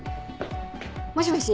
もしもし？